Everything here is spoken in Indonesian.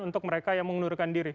untuk mereka yang mengundurkan diri